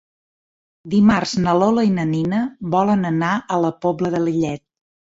Dimarts na Lola i na Nina volen anar a la Pobla de Lillet.